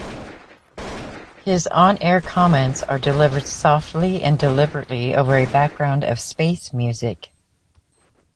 His on-air comments are delivered softly and deliberately over a background of space music.